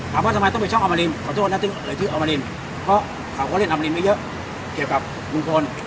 ถามว่าทำไมต้องไปช่องอัลมารินขอโทษนะซึ่งเลยชื่ออัลมารินเพราะเขาก็เล่นอัลมารินไว้เยอะเกี่ยวกับบุญคล